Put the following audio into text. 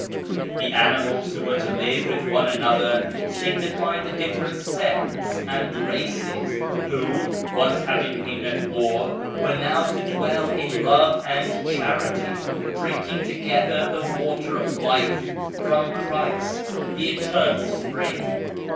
The animals who were to live with one another signified the different sects and races, who, once having been at war, were now to dwell in love and charity, drinking together the Water of Life from Christ the Eternal Spring.